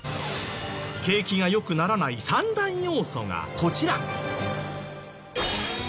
景気が良くならない３大要素がこちら。